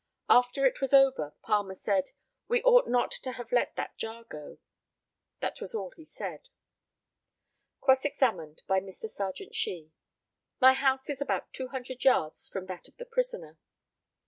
After it was over, Palmer said, "We ought not to have let that jar go." That was all he said. Cross examined by Mr. Serjeant SHEE: My house is about 200 yards from that of the prisoner.